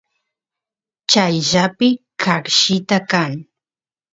chayllapi qayllita kan